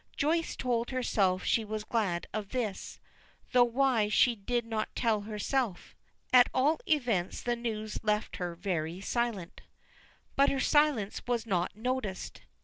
Joyce told herself she was glad of this though why she did not tell herself. At all events the news left her very silent. But her silence was not noticed.